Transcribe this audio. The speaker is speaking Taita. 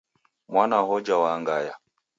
Mwana hoja waangaya.